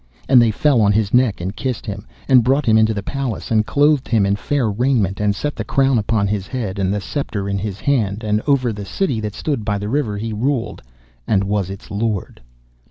And they fell on his neck and kissed him, and brought him into the palace and clothed him in fair raiment, and set the crown upon his head, and the sceptre in his hand, and over the city that stood by the river he ruled, and was its lord.